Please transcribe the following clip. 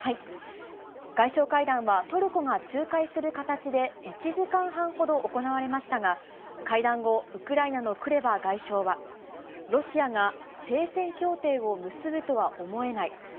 外相会談は、トルコが仲介する形で、１時間半ほど行われましたが、会談後、ウクライナのクレバ外相は、ロシアが停戦協定を結ぶとは思えない。